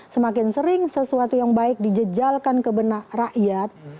semakin sering sesuatu yang baik dijejalkan ke benak rakyat